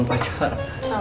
dikit banget sih calon pacar